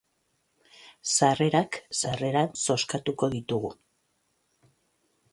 Sarrerak sarrera zozkatuko ditugu.